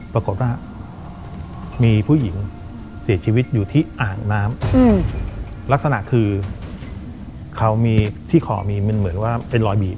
ปรากฏว่ามีผู้หญิงเสียชีวิตอยู่ที่อ่างน้ำลักษณะคือเขามีที่คอมีมันเหมือนว่าเป็นรอยบีบ